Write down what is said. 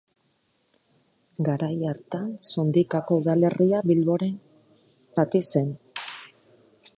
Garai hartan, Sondikako udalerria Bilboren zati zen.